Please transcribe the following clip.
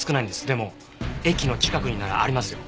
でも駅の近くにならありますよ。